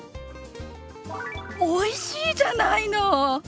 おいしいじゃないの！